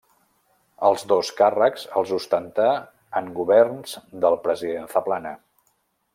Els dos càrrecs els ostentà en governs del president Zaplana.